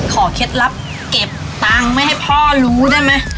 เคล็ดลับเก็บตังค์ไม่ให้พ่อรู้ได้ไหม